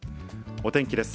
お天気です。